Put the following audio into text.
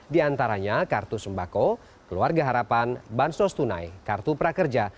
diantaranya kartu sembako keluarga harapan bansos tunai kartu prakerja